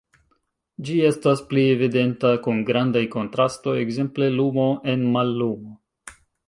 Ĝi estas pli evidenta kun grandaj kontrastoj, ekzemple lumo en mallumo.